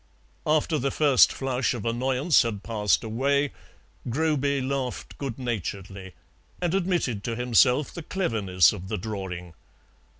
After the first flush of annoyance had passed away, Groby laughed good naturedly and admitted to himself the cleverness of the drawing.